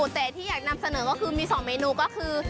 แต่ที่อยากนำเสนอก็คือมี๒เมนูก็คือ